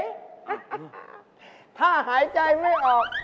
ถ้าหายใจไม่ออก